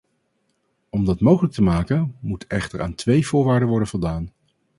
Om dat mogelijk te maken moet echter aan twee voorwaarden worden voldaan.